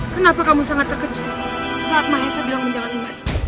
kenapa kamu sangat terkejut saat mahesa bilang menjaga emas